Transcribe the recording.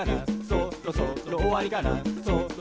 「そろそろおわりかな」